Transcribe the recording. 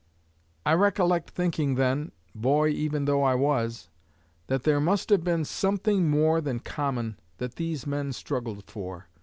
I recollect thinking then, boy even though I was, that there must have been something more than common that these men struggled for.